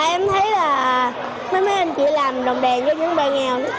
em thấy là mấy anh chị làm đồng đèn cho những bà nghèo